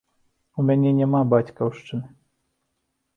У мяне няма бацькаўшчыны!